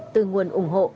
từ nguồn ủng hộ